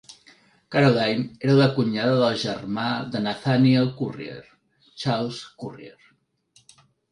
Caroline era la cunyada del germà de Nathaniel Currier, Charles Currier.